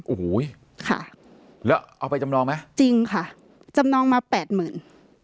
โอ้โหค่ะแล้วเอาไปจำนองไหมจริงค่ะจำนองมาแปดหมื่น